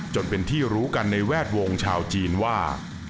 จนเป็นที่รู้กันในแวดวงชาวจีนว่า